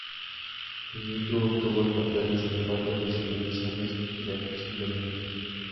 Dumitru obtuvo el papel sin haber recibido lecciones de actuación previamente.